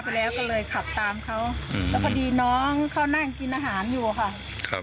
ก็เลยขับตามเขาแล้วพอดีน้องเขานั่งกินอาหารอยู่ค่ะ